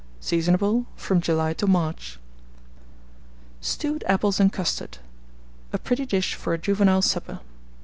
Seasonable from July to March. STEWED APPLES AND CUSTARD. (A pretty Dish for a Juvenile Supper.)